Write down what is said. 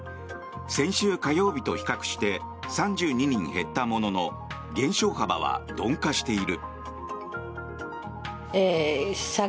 先週火曜日と比較して３２人減ったものの減少幅は鈍化している。